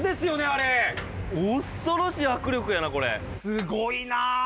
・すごいな。